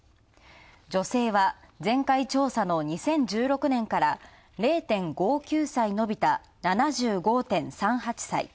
女性は前回調査の２０１６年から０．５９歳延びた、７５．３８歳。